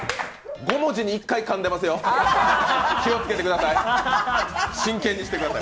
５文字に１回、かんでますよ、気をつけてください。